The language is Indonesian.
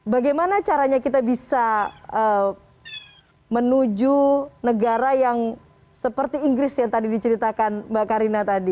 bagaimana caranya kita bisa menuju negara yang seperti inggris yang tadi diceritakan mbak karina tadi